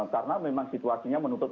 karena memang situasinya menuntut